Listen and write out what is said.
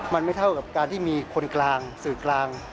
มันไม่เท่ากับการที่มีคนกลางสื่อกลาง